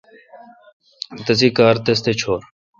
تسی کار تس تھ چور۔